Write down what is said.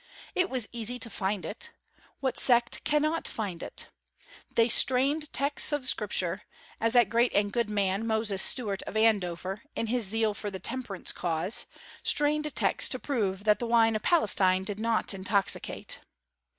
It was easy to find it. What sect cannot find it? They strained texts of Scripture, as that great and good man, Moses Stuart, of Andover, in his zeal for the temperance cause, strained texts to prove that the wine of Palestine did not intoxicate.